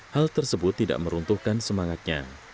hal tersebut tidak meruntuhkan semangatnya